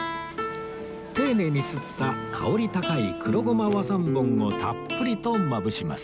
丁寧にすった香り高い黒胡麻和三盆をたっぷりとまぶします